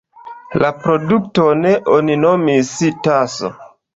La produkton oni nomis "taso".